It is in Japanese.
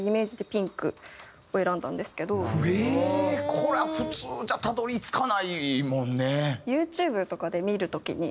これは普通じゃたどり着かないもんね。